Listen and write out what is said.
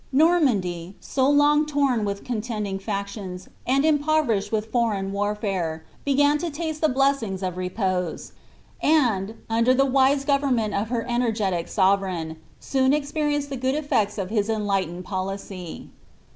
Normandy, so long torn with contending Actions, and impoverished with foreign war&re, began to taste the blessings of repose ; and, under the wise government of her energetic sovereign, soon experienced the good effects of his enlightened policy.